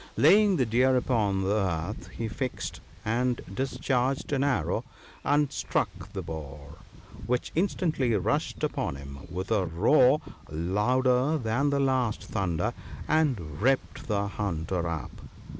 Laying the deer upon the earth, he fixed and discharged an arrow and struck the boar, which instantly rushed upon him with a roar louder than the last thunder ( 38 ), and ripped the hunter up.